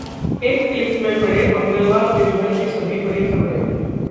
एक क्लिक में पढ़ें मंगलवार दिनभर की सभी बड़ी खबरें